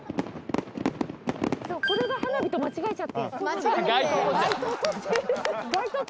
これが花火と間違えちゃって。